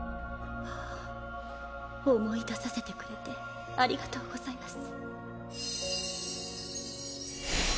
思い出させてくれてありがとうございます。